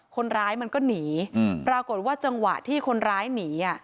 คนร้ายมันก็หนีปรากฏว่าจังหวะที่คนร้ายหนี